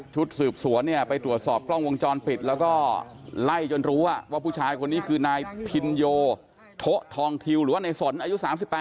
สืบสวนเนี่ยไปตรวจสอบกล้องวงจรปิดแล้วก็ไล่จนรู้ว่าผู้ชายคนนี้คือนายพินโยโทะทองทิวหรือว่าในสนอายุ๓๘